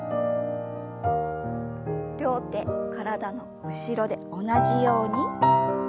両手体の後ろで同じように。